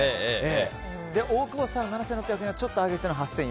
大久保さんは７６００円からちょっと上げての８４００円。